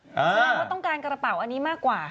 แสดงว่าต้องการกระเป๋าอันนี้มากกว่า